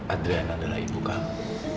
adriana adalah ibu kamu